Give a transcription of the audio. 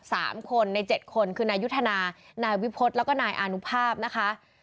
สามคนในเจ็ดคนคือนายยุทธนานายวิพฤษแล้วก็นายอานุภาพนะคะ